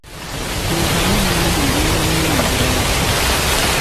Entamu enganda ebeera nnene bulala.